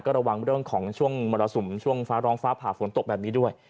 ระวังเรื่องของช่วงมรสุมช่วงฟ้าร้องฟ้าผ่าฝนตกแบบนี้ด้วย